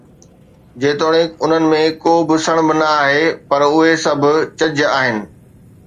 جيتوڻيڪ انهن ۾ ڪو به سڻڀ نه آهي، پر اهي سڀ چج آهن.